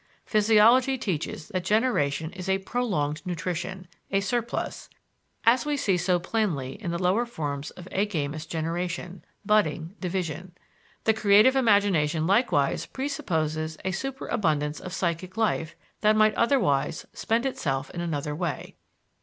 Physiology teaches that generation is a "prolonged nutrition," a surplus, as we see so plainly in the lower forms of agamous generation (budding, division). The creative imagination likewise presupposes a superabundance of psychic life that might otherwise spend itself in another way.